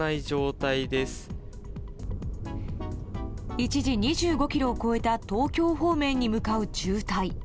一時２５ｋｍを超えた東京方面へ向かう渋滞。